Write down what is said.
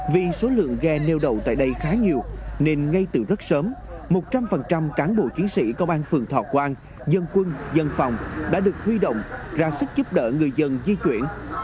vì số lượng ghe neo đậu tại đây khá nhiều nên ngay từ rất sớm một trăm linh cán bộ chiến sĩ công an phường thọ quang dân quân dân phòng đã được huy động ra sức giúp đỡ người dân di chuyển